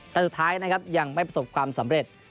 แต่สุดท้ายนะครับยังไม่ประสบความสำเร็จ